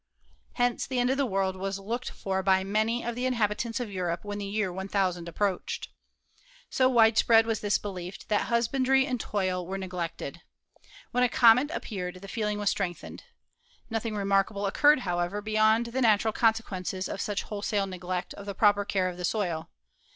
Hence the end of the world was looked for by many of the inhabitants of Europe when the year 1000 approached. So widespread was this belief that husbandry and toil were neglected. When a comet appeared the feeling was strengthened. Nothing remarkable occurred, however, be yond the natural consequences of such wholesale neglect of the proper care of the soil.